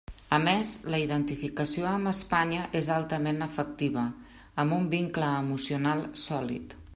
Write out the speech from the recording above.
A més, la identificació amb Espanya és altament afectiva, amb un vincle emocional sòlid.